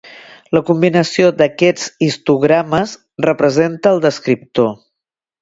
La combinació d'aquests histogrames representa el descriptor.